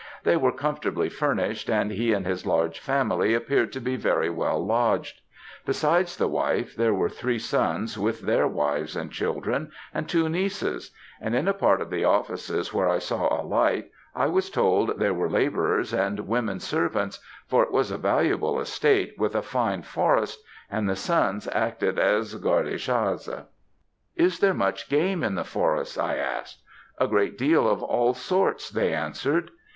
They were comfortably furnished, and he and his large family appeared to be very well lodged. Besides the wife, there were three sons, with their wives and children, and two nieces; and in a part of the offices, where I saw a light, I was told there were labourers and women servants, for it was a valuable estate, with a fine forest, and the sons acted as gardes chasse. "'Is there much game in the forest?' I asked. "'A great deal of all sorts,' they answered.